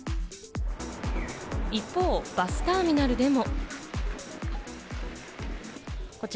一方、バスターミナルでも。